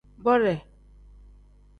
Bode.